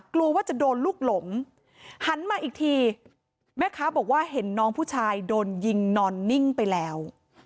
กลัวว่าจะโดนลูกหลงหันมาอีกทีแม่ค้าบอกว่าเห็นน้องผู้ชายโดนยิงนอนนิ่งไปแล้ว